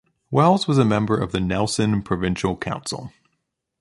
Wells was a member of the Nelson Provincial Council.